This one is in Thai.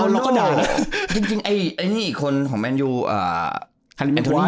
ลวนโนจริงไอ้นี่คนของแอนโยวเอ่อ